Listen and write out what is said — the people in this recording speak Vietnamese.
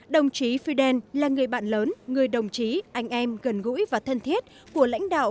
đồng chí fidel là người bạn lớn người đồng chí anh em gần gũi và thân thiết của lãnh đạo